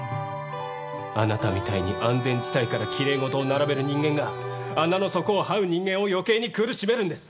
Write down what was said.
あなたみたいに安全地帯からきれいごとを並べる人間が穴の底をはう人間を余計に苦しめるんです。